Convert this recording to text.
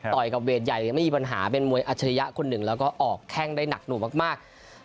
ต่อยกับเวทใหญ่ไม่มีปัญหาเป็นมวยอัจฉริยะคนหนึ่งแล้วก็ออกแข้งได้หนักหน่วงมาก